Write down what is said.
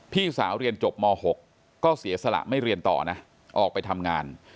พี่สาวเรียนจบม๖ก็เสียสละไม่เรียนต่อนะออกไปทำงาน